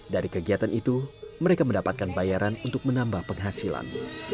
dari kegiatan itu mereka mendapatkan bayaran untuk menambah penghasilan